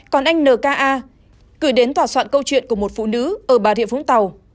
còn anh nka gửi đến thỏa soạn câu chuyện của một phụ nữ ở bà rịa vũng tàu